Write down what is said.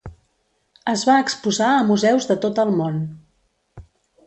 Es va exposar a museus de tot el món.